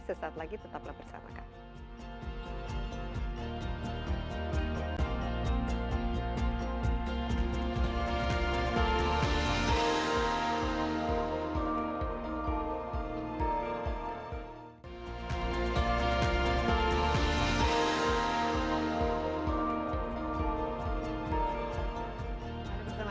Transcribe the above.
sesaat lagi tetaplah bersama kami